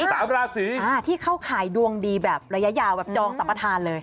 สามราศรีที่เขาขายดวงดีแบบระยะยาวแบบยองสัมปัติธรรมเลย